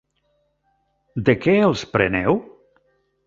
De què els preneu?